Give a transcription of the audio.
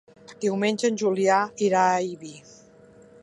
Diumenge en Julià irà a Ibi.